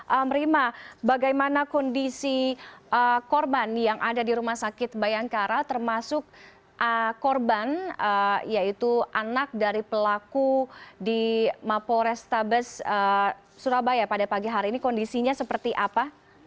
emrima bagaimana kondisi korban yang ada di rumah sakit bayangkara termasuk korban yaitu anak dari pelaku di mapo restabes surabaya pada pagi hari ini kondisinya seperti apa